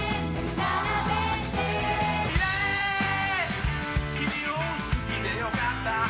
「イェーイ君を好きでよかった」